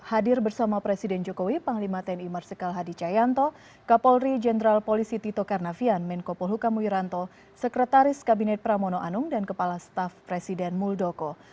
hadir bersama presiden jokowi panglima tni marsikal hadi cayanto kapolri jenderal polisi tito karnavian menko polhukam wiranto sekretaris kabinet pramono anung dan kepala staf presiden muldoko